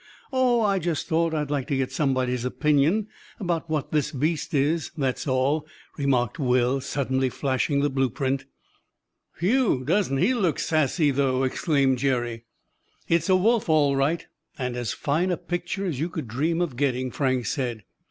"Oh, I just thought I'd like to get somebody's opinion about what this beast is, that's all," remarked Will, suddenly flashing the blueprint. "Whew! Doesn't he look sassy, though!" exclaimed Jerry. "It's a wolf, all right, and as fine a picture as you could dream of getting!" Frank said.